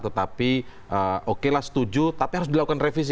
tetapi oke lah setuju tapi harus dilakukan revisi